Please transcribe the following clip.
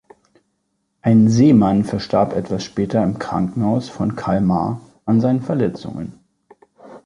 Ein Seemann verstarb etwas später im Krankenhaus von Kalmar an seinen Verletzungen.